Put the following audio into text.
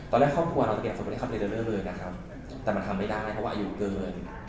ตอนแรกเขาควรเอาสักอย่างสกุลเรย์เดอร์เริ่มเลยนะครับแต่มันทำไม่ได้เพราะว่าอายุเกิน